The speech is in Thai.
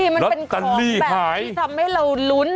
มันเป็นของแบบที่ทำให้เราลุ้น